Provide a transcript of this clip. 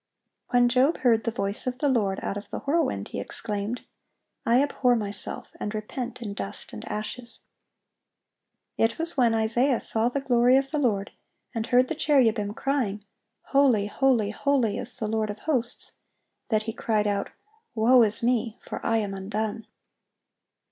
(804) When Job heard the voice of the Lord out of the whirlwind, he exclaimed, "I abhor myself, and repent in dust and ashes."(805) It was when Isaiah saw the glory of the Lord, and heard the cherubim crying, "Holy, holy, holy, is the Lord of hosts," that he cried out, "Woe is me! for I am undone."